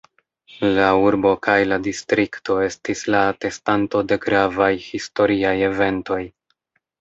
La urbo kaj la distrikto estis la atestanto de gravaj historiaj eventoj.